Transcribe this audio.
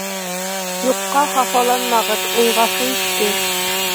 Юҡҡа хафаланмағыҙ, ул ғәфү итте